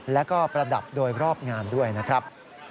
แล้วก็ประดับโดยรอบงานด้วยนะครับ